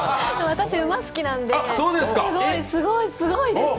私、馬が好きなんで、すごいです。